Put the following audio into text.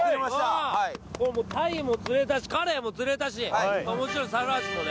これもう鯛も釣れたしカレイも釣れたしもちろん猿アジもね